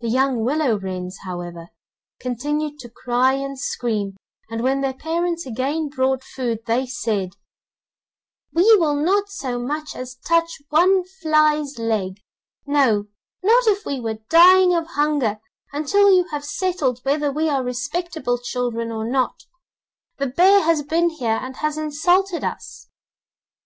The young willow wrens, however, continued to cry and scream, and when their parents again brought food they said: 'We will not so much as touch one fly's leg, no, not if we were dying of hunger, until you have settled whether we are respectable children or not; the bear has been here and has insulted us!